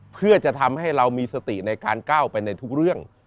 เพื่อจะทำให้เรามีสติในการก้าวไปในทุกเรื่อง